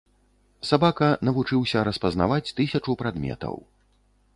Сабака навучыўся распазнаваць тысячу прадметаў.